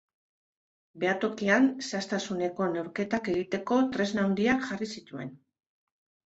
Behatokian zehaztasuneko neurketak egiteko tresna handiak jarri zituen.